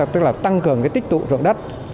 tăng cường tích tụ rộng đất